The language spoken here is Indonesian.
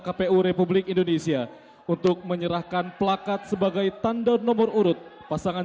kpu republik indonesia untuk menyerahkan pelakat sebagai tanda nomor urut pasangan